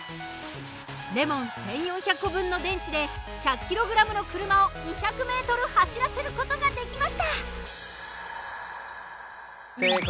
レモン１，４００個分の電池で１００ｋｇの車を２００ｍ走らせる事ができました。